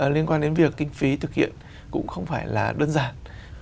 liên quan đến việc kinh phí thực hiện cũng không phải là đơn giản